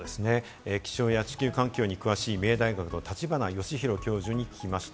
気象や地球環境に詳しい三重大学の立花義裕教授に聞きました。